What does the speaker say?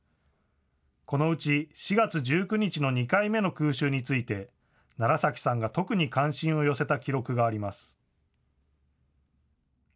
このうち４月１９日の２回目の空襲について楢崎さんが特に関心を寄せた記録があります。